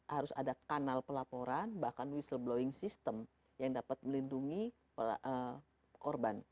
harus ada kanal pelaporan bahkan whistleblowing system yang dapat melindungi korban